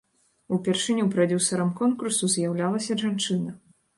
Упершыню прадзюсарам конкурсу з'яўлялася жанчына.